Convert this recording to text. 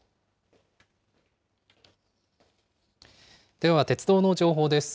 では、鉄道の情報です。